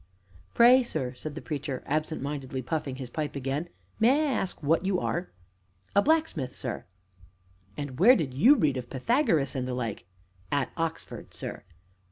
"Pray, sir," said the Preacher, absent mindedly puffing at his pipe again, "may I ask what you are?" "A blacksmith, sir." "And where did you read of Pythagoras and the like?" "At Oxford, sir."